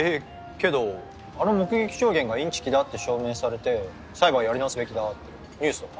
けどあの目撃証言がいんちきだって証明されて裁判やり直すべきだってニュースとか？